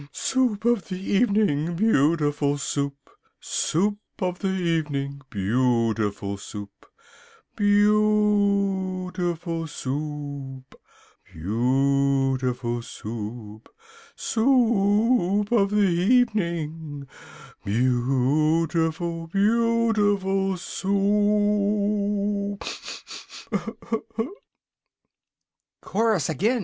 Soup of the evening, beautiful Soup! Soup of the evening, beautiful Soup! Beau ootiful Soo oop! Beau ootiful Soo oop! Soo oop of the e e evening, Beautiful beautiful Soup! "Chorus again!"